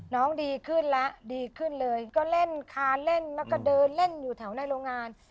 ดีขึ้นแล้วดีขึ้นเลยก็เล่นคาเล่นแล้วก็เดินเล่นอยู่แถวในโรงงาน